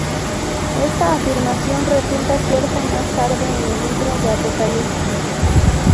Esta afirmación resulta cierta más tarde en el libro del Apocalipsis.